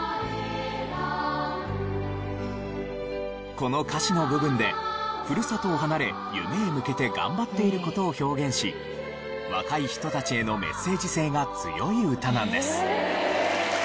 この歌詞の部分でふるさとを離れ夢へ向けて頑張っている事を表現し若い人たちへのメッセージ性が強い歌なんです。